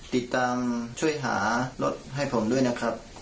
ติดตามช่วยหารถให้ผมด้วยนะครับ